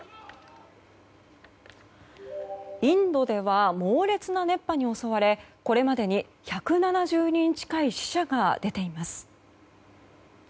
インドでは猛烈な熱波に襲われこれまでに１７０人近い死者が出ています。